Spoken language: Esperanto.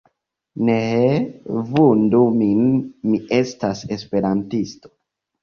Neeee vundu min, mi estas Esperantisto...